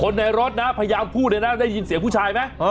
อย่าเบิกอย่าเบิกอย่าเบิกอย่าเบิก